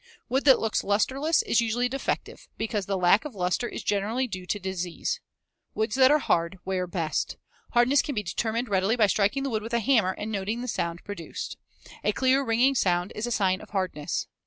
Wood that looks lusterless is usually defective, because the lack of luster is generally due to disease. Woods that are hard wear best. Hardness can be determined readily by striking the wood with a hammer and noting the sound produced. A clear, ringing sound is a sign of hardness.